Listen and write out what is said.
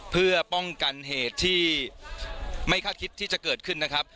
เพื่อป้องกันเหตุที่ไม่คาดคิดที่จะเกิดขึ้นนะครับ